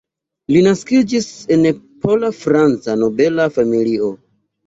Li naskiĝis en pola-franca nobela familio.